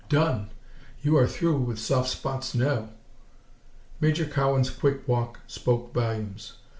"Done! You are through with soft spots now." Major Cowan's quick walk spoke volumes.